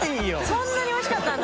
そんなにおいしかったんだ